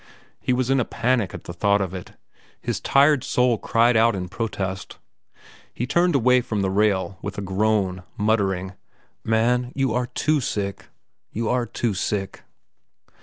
He was in a panic at the thought of it. His tired soul cried out in protest. He turned away from the rail with a groan, muttering, "Man, you are too sick, you are too sick."